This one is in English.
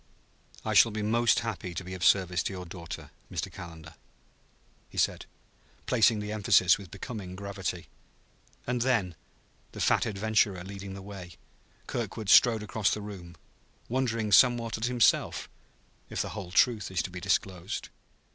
"I shall be most happy to be of service to your daughter, Mr. Calendar," he said, placing the emphasis with becoming gravity. And then, the fat adventurer leading the way, Kirkwood strode across the room wondering somewhat at himself, if the whole truth is to be disclosed.